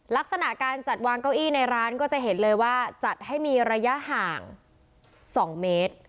ลักษณะการจัดวางเก้าอี้ในร้านก็จะเห็นเลยว่าจัดให้มีระยะห่าง๒เมตร